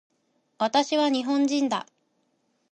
私は日本人だ